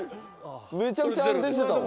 めちゃくちゃ安定してたわ。